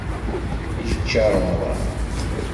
Yečča remḍan.